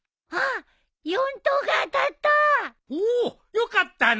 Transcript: よかったの。